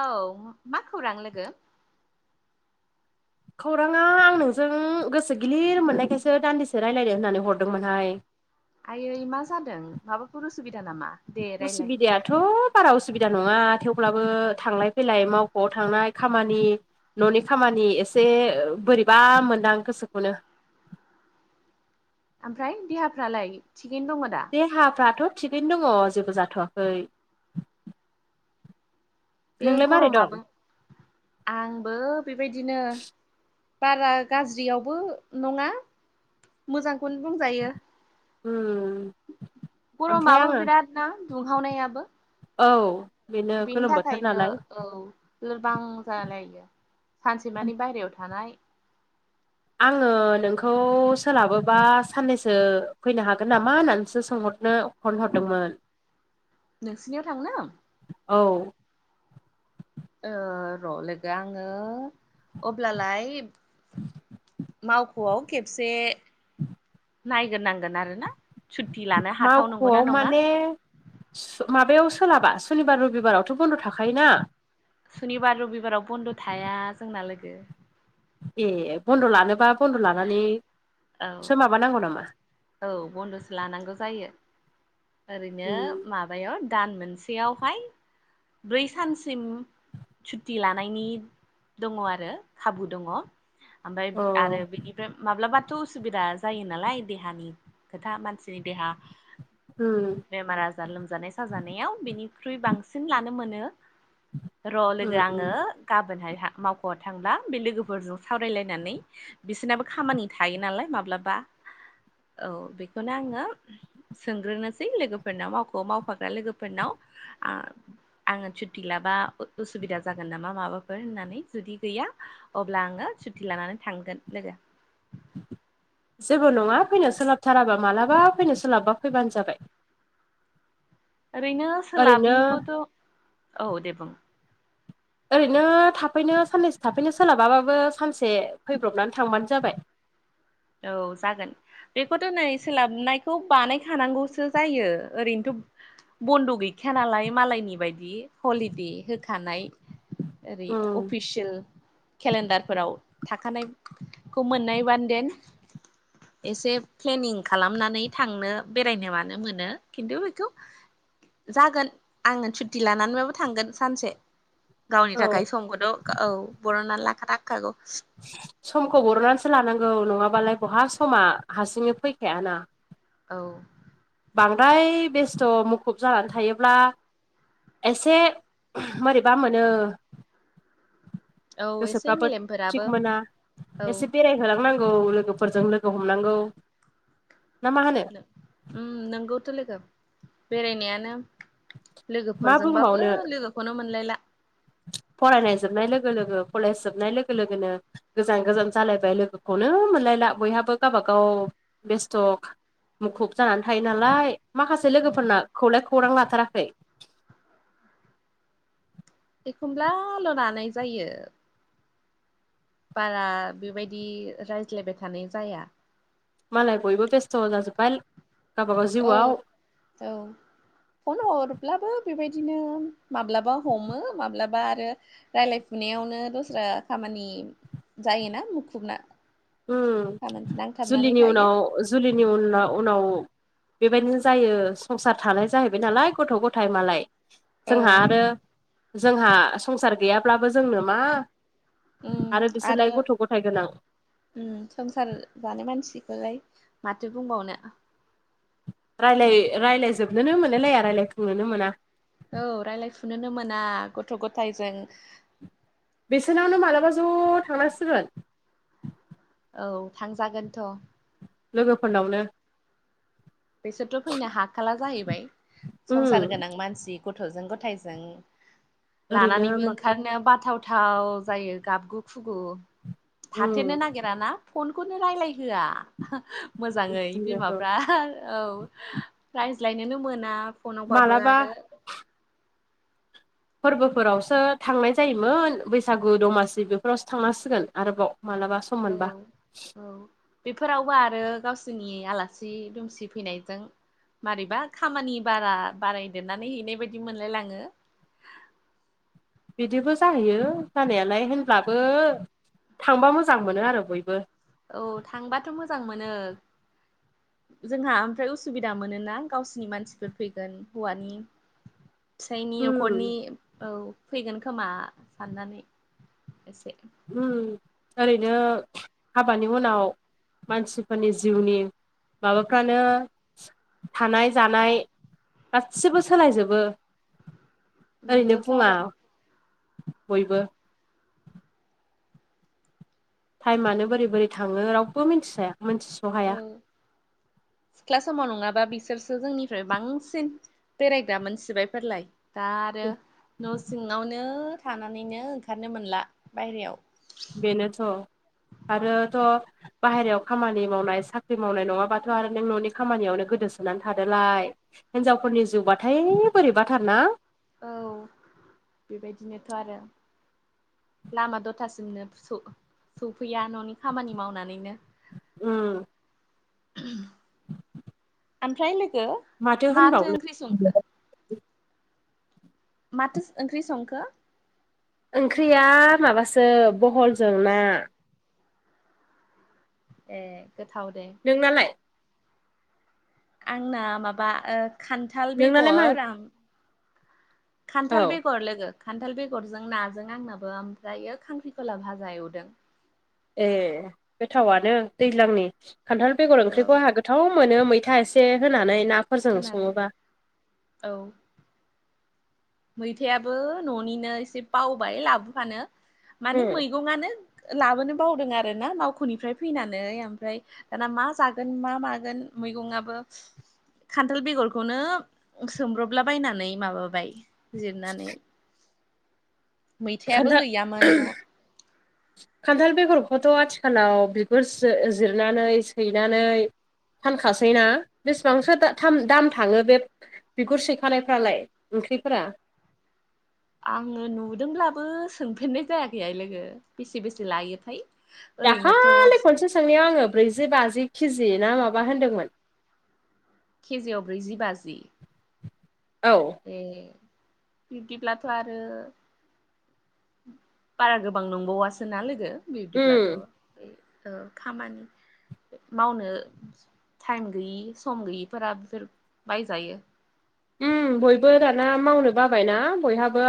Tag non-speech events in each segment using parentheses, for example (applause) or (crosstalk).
औ मा खौरां लोगो? खौरांङा आं नोंजों गोसो गिलिर मोननायखायसो दान्दिसे रायलायनो होननानै हरदोंमोनहाय आयै मा जादों माबाफोर उसुबिदा नामा? दे रायलाय उसुबिदायाथ' बारा असुबिदा नंङा थेवब्लाबो थांलाय फैलाय मावख'आव थांनाय खामानि न'नि खामानि एसे बोरैबा मोनदां गोसोखौनो आमफ्राय देहाफ्रालाय थिगैनो दंङ' दा? देहाफ्राथ' थिगैनो दंङ' जेबो जाथ'वाखै बे नोंलाय मारै दं गरमाबो आंबो बेबायदिनो बारा गाज्रियावबो नङा मोजांखौनो बुंजायो उम ओमफ्राय गरमाबो आङो बिराद ना दुंहावनायाबो औ बेनो बिनि गोलोम बोथोर थाखायनो नालाय औ लोरबां जालायगो सानसेमानि बायहेरायाव थानाय आङो नोंखौ सोलाबोबा साननैसो फैनो हागोन नामा होननानैसो सोंहरनो फन हरदोंमोन नोंसिनियाव थांनो औ ओ र' लोगो आङो अब्लालाय माव ख'आव खेबसे नायग्रो नांगोन आरो ना सुत्ति लानो हाथाव मावख'आव नंगौना नङा माने माबायाव सोलाबा सनिबार रबिबारावथ' बन्द' थाखायोना खुनिबार रबिबाराव बन्द' थाया जोंना लोगो ए बन्द' लानोबा बन्द' लानानै औ सो माबानांगौ नामा औ बन्द'सो लानांगौ जायो ओरैनो उम मा बायाव दान मोनसेयावहाय ब्रै सानसिम सुत्ति लानायनि दङ' आरो खाबु दङ' आमफाय अ आरो बिनिफ्राय माब्लाबाथ' उसुबिदा जायो नालाय बे हानि खोथा मानसिनि देहा उम बेमार आजार लोमजानाय साजानायाव बेनिख्रुइ बांसिन लानो मोनो र' लोगो उम उम आङो गाबोनहायहा मावख'आव थांब्ला बे लोगोफोरजों सावरायलायनानै बिसोरनाबो खामानि थायो नालाय माब्लाबा औ बेखौनो आङो सोंग्रोनोसै लोगोफोरनाव मावख'आव मावफाग्रा लोगोफोरनाव आ आङो सुत्ति लाबा उसुबिदा जागोन नामा माबाफोर होननानै जुदि गैया अब्ला आङो सुटि लानानै थांगोन लोगो जेबो नङा फैनो सोलाबथाराबा मालाबा फैनो सोलाबबा फैबानो जाबाय (inaudible) ओरैनो ओरैनो सोलाबिखौथ' औ दे बुं ओरैनो थाफैनो साननैसो थाफैनो सोलाबाबो सानसे फैब्रबनानै थांबानो जाबाय औ जागोन बेखौथ' नै सोलाबनायखौ बानायखानांगौसो जायो ओरैनोथ' बन्द' गैखाया नालाय मालायनि बायदि हलिदे होखानाय ओरै उम अफिसियेल खेलेन्डारफोराव थाखानायखौ मोननाय बान देन एसे प्लेनिं खालामनानै थांनो बेरायनो मानो मोनो खिन्थु जागोन आङो सुटि लानानैबाबो थांगोन सानसे। गावनि औ थाखाय समखथ औ बरननानै लाखानांगौ। समखौ बरनानैसो लानांगौ नङाबालाय बहा समा हारसिङै फैखायाना। औ। बांद्राय बेस्थ' मुखुब जानानै थायोब्ला एसे मोरैबा मोनो। औ एसे गोसोब्लाबो मेलेमफोराबो थिख मोना औ एसे बेराय होलांनांगौ लोगोफोरजों लोगो हमनांगौ ना मा होनो। ओम नोंगौथ' लोगो बेरायनायानो मा बुंबावनो लोगोफोरजोंबाबो लोगोखौनो मोनलायला फरायनाय जोबनाय लोगो लोगो कलेज जोबनाय लोगो लोगोनो गोजान गोजान जालायबाय लोगोखौनो मोनलायला बयहाबो गावबागाव बेस्थ' मुखुब जानानै थायो नालाय माखासे उम लोगोफोरना खौलाय खौरां लाथाराखै एखमब्लाल' लानाय जायो। बारा बेबायदि रायज्लायबाय थानाय जाया। माल बयबो बेस्थ दाजु फाल औ औ फन हरब्लाबो बेबायदिनो माब्लाबा हमो माब्लाबा आरो। रायज्लायफुनायावनो दस्रा खामानि जायोना मुखुबना खामानि नांथाबनानै जुलिनि थायो उनाव जुलिनि उन उनाव बेबायदिनो जायो संसार थालाय जाहैबाय नालाय गथ' गथ' फथाय मालाय औ जोंहा आरो जोंहा संसार गैयाब्लाबो जोंनो मा उम आरो बिसोरलाय गथ' गथाय गोनां संसार जानाय मानसिखौलाय माथो बुंबावनो रायलाय राय्लायजोबनोनो मोनोलाया रायज्लायफुंनोनो मोना औ रायज्लायफुनोनो मोना गथ' गथायजों बिसनावनो मालाबा ज' थांनांसिगोन औ थांजागोनथ' लोगोफोरनावनो बेसोरथ' फैनो हाखला जाहैबाय उम संसार गोनां मानसि गथ'जों गथायजों ओरैनो लानानैबो मा ओंखारनो बाथाव गोथाव जायो गाबगु खुगु उम थाथेरनो नागिराना खनखौनो रायज्लायहोआ मोजाङै बेनोथ' बिमाफ्रा औ प्राइज लायनोनो मोना फनावबाबो मालाबा आरो। फोरबोफोरावसो थांनाय जायोमोन बैसागु दमासि बेफोरावसो थांनांसिगोन आरोबाव मालाबा सम मोनबा औ। औ बेफोरावबो आरो गावसोरनि आलासि दुमसि फैनायजों मारैबा खामानि बारा बारायदेरनानै हैनाय बायदि मोनलायलाङो बिदिबो जाहैयो जानायालाय होनब्लाबो थांबा मोजां मोनो आरो बयबो औ थांबाथ' मोजां मोनो जोंहा ओमफ्राय उसुबिदा मोनोना गावसिोरनि मानसिफोर फैगोन हौवानि (inaudible) फिसायनि उम न'खरनि औ फैगोन खोमा साननानै एसे ओरैनो हाबानि उनाव। मानसिफोरनि जिउनि माबाफ्रानो थानाय जानाय गासिबो सोलायजोबो। ओरैनो नंगौथ' बुङा आरो बयबो टाइमानो बोरै बोरै थाङो रावबो मिथिसायाथि ओं। सिख्ला समाव नङाबा बिसोरसो जोंनिफ्राय बांसिन बेरायग्रा मोनसिबायफोरलाय दा आरो न' सिङावनो थानानैनो ओंखारनो मोनला बायेरायाव बेनोथ' आरोथ' बाहेरायाव खामानि मावनाय साख्रि मावनाय नङाबाथ' आरो नों न'नि खामानियावनो गोदोसोनानै थादोलाय हिनजावफोरनि जिउबाथाय बोरैबाथार ना। औ बेबायदिनोथ' आरो लामा दथासिमनो सफैया न'नि खामानि मावनानैनो उम (inaudible) ओमफ्राय लोगो माथो ओंख्रि संखो? माथो ओंख्रि संखो? ओंख्रिया माबासो बहलजों ना ए गोथाव दे नोंनालाय? आंना माबा खान्थाल नोंनालाय मा बेगर आम औ खान्थाल बेगर लोगो खान्थाल बेगरजों नाजों आंनाबो ओमफ्रायो खांख्रिखला भाजा एवदों ए गोथावानो दैज्लांनि खान्थाल बेगर औ ओंख्रिखौ आहा गो थाव मोनो मैथा एसे होनानै ना होनानै औ मैथायाबो न'निनो एसे बावबाय लाबोफानो मानि उम मैगंआनो लाबोनो बावदों आरोना मावख'निफ्राय फैनानै ओमफ्राय दाना मा जागोन मा मागोन मैगंआबो खान्थाल बेगरखौनो सोमब्रबला बायनानै माबाबाय जिरनानै मैथायाबो खान्थाल गैयामोन न'आव खान्थाल बेगरखौथ' आथिखालाव बिगुर जिरनानै सैनानै फानखासैना बेसेबांसो दाम थाङो बे बिगुर सैखानायफ्रालाय ओंख्रिफोरा? आङो नुदोंब्लाबो सोंफेरनाय जायाखैहाय लोगो बेसे बेसे लायोथाय ओरैनोथ' दाखालि खनसे सोंनायाव आङो ब्रैजि बाजि केजि ना माबा होनदोंमोन केेजियाव ब्रैजि बाजि? औ ए बिदिब्लाथ' आरो बारा गोबां नंबावासो ना लोगो बिबदिब्लाथ' उम ओ खामानि मावनो टाइम गैयि सम गैयिफोरा बेफोर बायजायो बयबो दाना मावनो बाबायना बयहाबो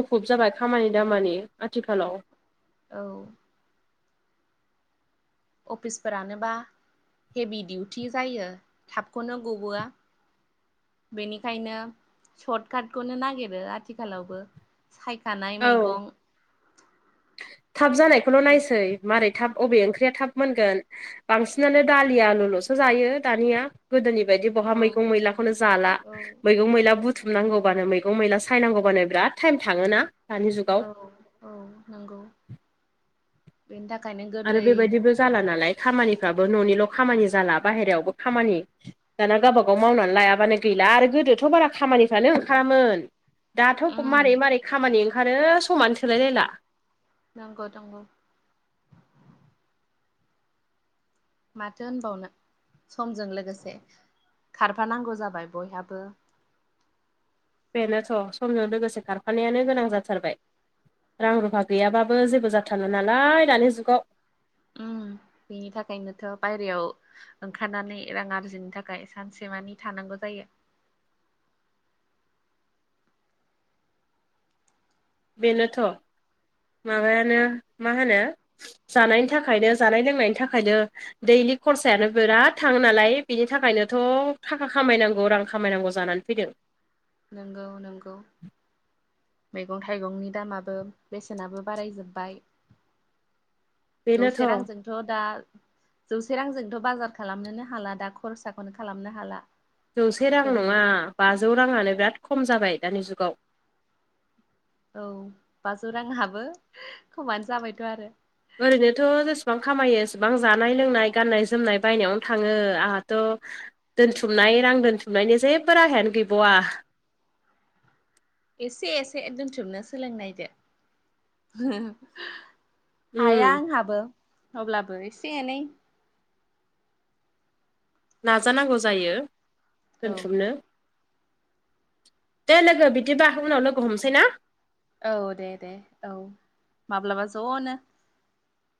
मुखुब जाबाय खामानि दामानि आथिखालाव औ अफिसफोरानोबा हेभि डिउटि जायो थाबखौनो गबोआ बेनिखायनो सर्ट काटखौनो नागिरो आथिखालावबो सायखानाय औ मैगं थाब जानायखौल' नायसै मैगं मारै थाब अबे औ ओंख्रिया थाब मोनगोन बांसिनानो दालि आलुल'सो जायो दानिया गोदोनि बायदि औ बहा मैगं मैलाखौनो जाला औ मैगं मैला बु थुमनांगौबानो मैगं मैला सायनांगौबानो बिराद टाइम थाङो ना दानि जुगाव औ औ नंगौ बेनि थाखायनो‌ गो आरो बेबायदिबो जाला नालाय खामानिफ्राबो न'निल' खामानि जाला बाहेरायावबो खामानि दाना गावबाागाव मावनानै लायाबानो गैला आरो गोदोथ' बारा खामानिफ्रानो ओंखारामोन दाथ' उम मारै मारै खामानि ओंखारो समानो थोलायलायला नंगौ नंगौ। माथो होनबावनो समजों लोगोसे खारफानांगौ जाबाय बयहाबो। बेनोथ' समजों लोगोसे खारफानायानो गोनां जाथारबाय। रां रुफा गैयाबाबो जेबो जाथारला नालाय दानि जुगाव बेनि थाखायनोथ' बाहेरायाव ओंखारनानै रां आरजिनो थाखाय सानसेमानि थानांगौ जायो। बेनोथ' माबायानो मा होनो? जानायनि थाखायनो जानाय लोंनायनि थाखायनो दैलिख खरसायानो बिराद थांङो नालाय बिनि थाखायनोथ' थाखा खामायनांगौ रां खामायनांगौ जानानै फैदों। नंगौ नंगौ। मैगं थाइगंनि दामाबो बेसेनाबो बारायजोब्बाय। जौसे बेनोथ' रांजों थ' दा जौसे रांजोंथ' बाजार खालामनोनो हाला दा खरसाखौनो खालामनो हाला। जौसे रां नङा गोदोनि बाजौ राङानो बिराद खम जाबाय दानि जुगाव। औ बाजौ रांङाबो खमानो जाबायथ' आरो। ओरैनोथ' जेसेबां खामायो एसेबां जानाय लोंनाय गाननाय जोमनाय बायनायावनो थाङो आंहाथ' दोनथुमनाय रां दोनथुमनायनि जेबो राहायानो गैबावा। एसे एसे दोनथुमनो सोलोंनायदो। (unintelligible) हाया उम आंहाबो अब्लाबो एसे एनै नाजानांगौ जायो औ दोनथुमनो। दे लोगो बिदिबा उनाव लोगो हमसै ना। औ दे दे औ माब्लाबा ज'नो